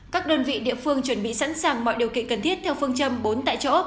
các đơn vị địa phương chuẩn bị sẵn sàng mọi điều kiện cần thiết theo phương châm bốn tại chỗ